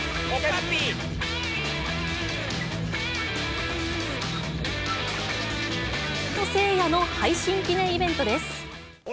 聖闘士星矢の配信記念イベントです。